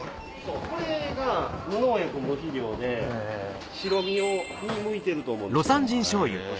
これが無農薬無肥料で白身用に向いてると思うんですよ。